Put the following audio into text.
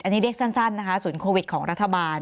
อันนี้เรียกสั้นนะคะศูนย์โควิดของรัฐบาล